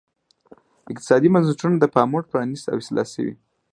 اقتصادي بنسټونه د پاموړ پرانیست او اصلاح شوي.